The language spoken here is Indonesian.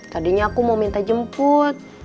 tadinya aku mau minta jemput